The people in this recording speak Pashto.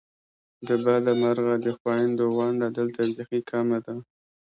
د بده مرغه د خوېندو ونډه دلته بیخې کمه ده !